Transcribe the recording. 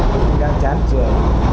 mình cũng đang chán trời